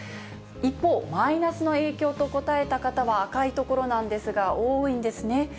一方、マイナスの影響と答えた方は赤い所なんですが、多いんですね。